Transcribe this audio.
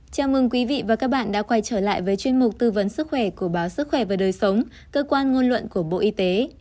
chào mừng quý vị và các bạn đã quay trở lại với chuyên mục tư vấn sức khỏe của báo sức khỏe và đời sống cơ quan ngôn luận của bộ y tế